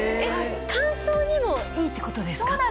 乾燥にもいいってことですか？